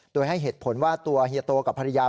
โดยให้เหตุผลว่าตัวเฮียโตกับภรรยา